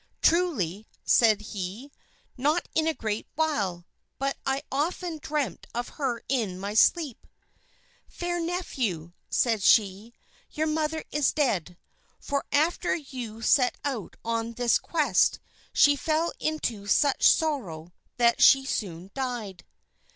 "Truly," said he, "not in a great while, but I often dream of her in my sleep." "Fair nephew," said she, "your mother is dead; for after you set out on this quest, she fell into such sorrow that she soon died."